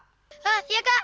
hah iya kak